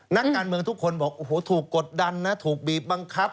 นักการเมืองทุกคนบอกโอ้โหถูกกดดันนะถูกบีบบังคับ